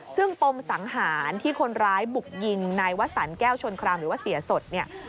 ซึ่งปมสังหารที่คนร้ายบุกยิงนายวสันแก้วชนครามหรือว่าเสียสดเนี่ย